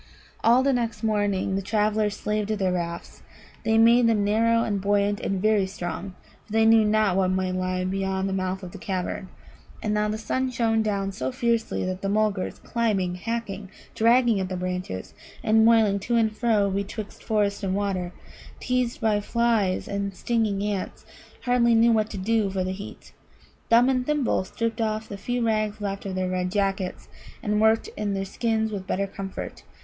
All the next morning the travellers slaved at their rafts. They made them narrow and buoyant and very strong, for they knew not what might lie beyond the mouth of the cavern. And now the sun shone down so fiercely that the Mulgars, climbing, hacking, dragging at the branches, and moiling to and fro betwixt forest and water, teased by flies and stinging ants, hardly knew what to do for the heat. Thumb and Thimble stripped off the few rags left of their red jackets, and worked in their skins with better comfort.